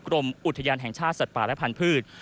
กรมอุทยานแห่งชาติสัตว์ป่าและพันธุ์